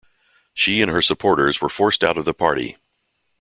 She and her supporters were forced out of the party.